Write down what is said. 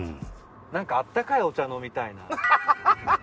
なんか温かいお茶飲みたいなあ。